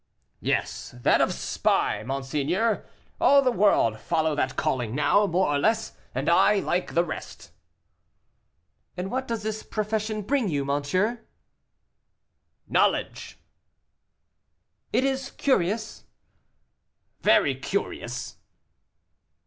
"Yes, that of spy, monseigneur; all the world follow that calling now, more or less, and I, like the rest." "And what does this profession bring you, monsieur?" "Knowledge." "It is curious." "Very curious."